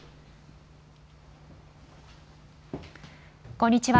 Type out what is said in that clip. こんにちは。